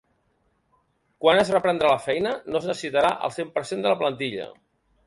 Quan es reprendrà la feina no es necessitarà el cent per cent de la plantilla.